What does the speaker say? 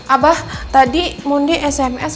abah tadi mondi sms